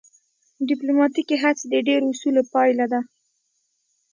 ډیپلوماتیکې هڅې د ډیرو اصولو پایله ده